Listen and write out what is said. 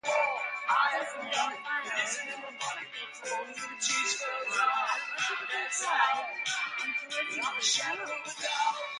Additionally, flies constructed for use in salt water are typically tied on corrosion-resistant hooks.